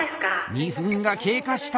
２分が経過した。